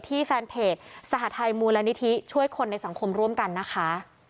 แฟนเพจสหทัยมูลนิธิช่วยคนในสังคมร่วมกันนะคะ